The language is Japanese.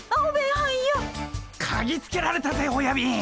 かぎつけられたぜおやびん。